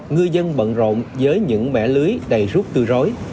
người dân bận rộn với những mẻ lưới đầy rút từ rối